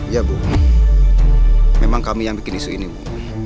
ya bu memang kami yang bikin isu ini bu